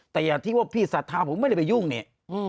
แต่อย่าที่ว่าพี่ศรัทธาผมไม่ได้ไปยุ่งเนี่ย